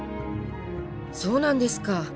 そうなんですか。